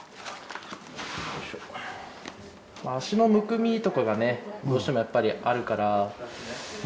足のむくみとかがねどうしてもやっぱりあるから。